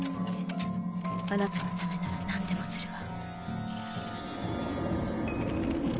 あなたのためならなんでもするわ。